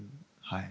はい。